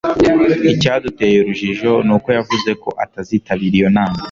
icyaduteye urujijo ni uko yavuze ko atazitabira iyo nama